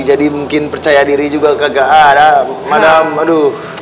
jadi mungkin percaya diri juga kagak ada madam aduh